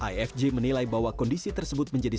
ifj menilai bahwa kondisi tersebut menjadikan